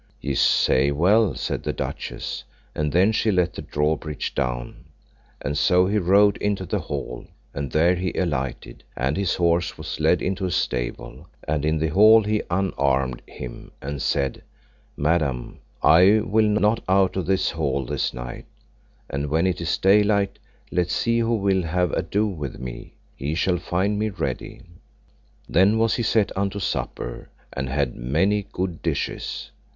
Ye say well, said the duchess; and then she let the drawbridge down, and so he rode into the hall, and there he alighted, and his horse was led into a stable; and in the hall he unarmed him and said, Madam, I will not out of this hall this night; and when it is daylight, let see who will have ado with me, he shall find me ready. Then was he set unto supper, and had many good dishes.